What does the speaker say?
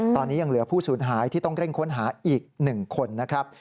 ตอนนี้ยังเหลือผู้สูญหายที่ต้องเร่งค้นหาอีก๑คนนะครับ